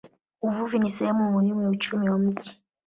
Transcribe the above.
Uvuvi ni sehemu muhimu ya uchumi wa mji.